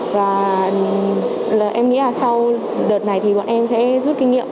và em nghĩ là sau đợt này thì bọn em sẽ rút kinh nghiệm